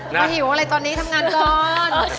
หิวอะไรตอนนี้ทำงานก่อน